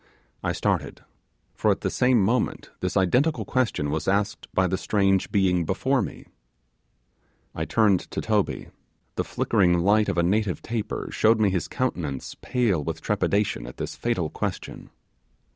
I started, for at the same moment this identical question was asked by the strange being before me. I turned to Toby, the flickering light of a native taper showed me his countenance pale with trepidation at this fatal question.